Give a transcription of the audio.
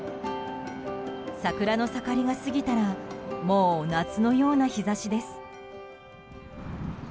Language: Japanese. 桜の盛りが過ぎたらもう夏のような日差しです。